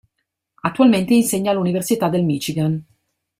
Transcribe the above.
Attualmente insegna all'Università del Michigan.